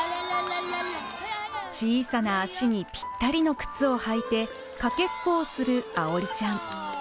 小さな足にぴったりの靴を履いてかけっこをする愛織ちゃん。